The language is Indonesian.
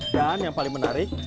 dan yang paling menarik